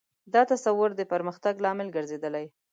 دا تصور د پرمختګ لامل ګرځېدلی.